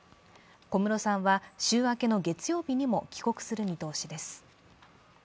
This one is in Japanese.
小室さんは週明けの月曜日にも帰国する見通しです。